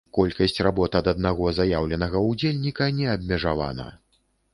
Колькасць работ ад аднаго заяўленага ўдзельніка не абмежавана.